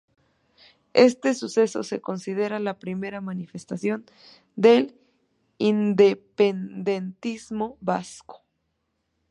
Este suceso se considera la primera manifestación del independentismo vasco.